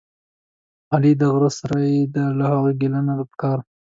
علي دغره سړی دی، له هغه ګیله نه ده پکار.